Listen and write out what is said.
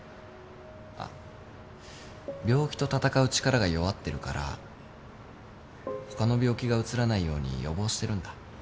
あっ病気と闘う力が弱ってるから他の病気がうつらないように予防してるんだ。